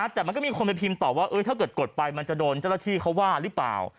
แต่มันก็มีคนไปพิมพ์ตอบว่าถ้าเกิดกดไปมันจะโดนเจ้าหน้าที่เขาว่าหรือเปล่า